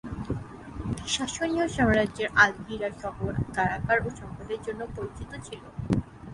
সাসানীয় সাম্রাজ্যের আল হিরা শহর তার আকার ও সম্পদের জন্য পরিচিত ছিল।